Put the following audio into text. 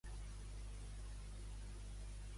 I si al despatx escoltem "Beastgrave"?